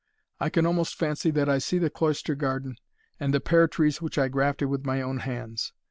I can almost fancy that I see the cloister garden, and the pear trees which I grafted with my own hands.